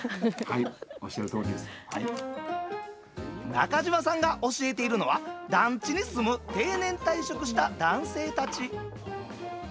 中島さんが教えているのは団地に住む定年退職した男性たち。